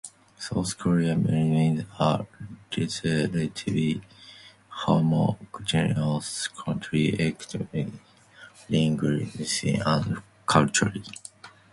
South Korea remains a relatively homogenous country ethnically, linguistically, and culturally.